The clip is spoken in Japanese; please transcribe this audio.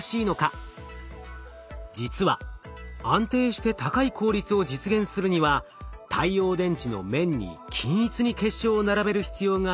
実は安定して高い効率を実現するには太陽電池の面に均一に結晶を並べる必要があります。